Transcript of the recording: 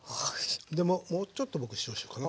でももうちょっと僕塩しようかな。